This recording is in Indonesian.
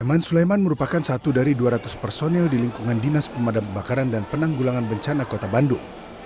iman sulaiman merupakan satu dari dua ratus personil di lingkungan dinas pemadam kebakaran dan penanggulangan bencana kota bandung